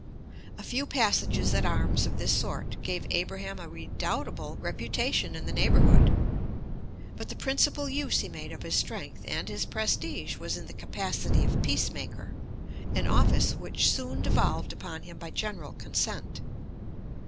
A few passages at arms of this sort gave Abraham a redoubtable reputation in the neighborhood. But the principal use he made of his strength and his prestige was in the capacity of peacemaker, an office which soon devolved upon him by general consent.